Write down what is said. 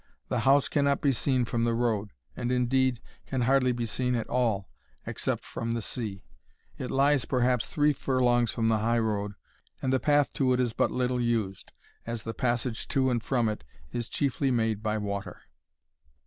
The house cannot be seen from the road, and, indeed, can hardly be seen at all, except from the sea. It lies, perhaps, three furlongs from the high road, and the path to it is but little used, as the passage to and from it is chiefly made by water.